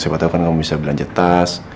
siapa tau kan kamu bisa belanja tas